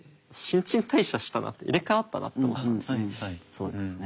そうですね。